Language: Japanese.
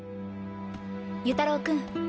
由太郎君。